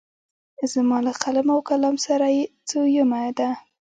زما له قلم او کلام سره یې څویمه ده.